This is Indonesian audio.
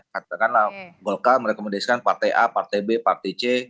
katakanlah golkar merekomendasikan partai a partai b partai c